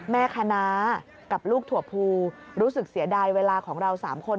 คณะกับลูกถั่วภูรู้สึกเสียดายเวลาของเรา๓คน